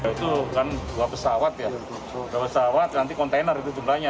itu kan dua pesawat ya dua pesawat nanti kontainer itu jumlahnya